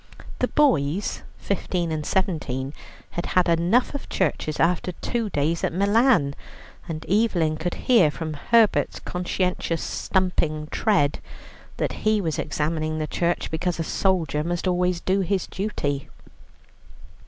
The boys, fifteen and seventeen, had had enough of churches after two days at Milan, and Evelyn could hear from Herbert's conscientious, stumping tread that he was examining the church because a soldier must always do his duty.